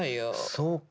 そうか。